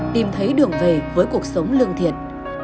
tìm thấy đường về với cuộc sống lương thiệt